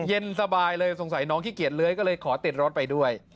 เย็นสบายเลยสงสัยน้องขี้เกียจเลื้อยก็เลยขอติดรถไปด้วย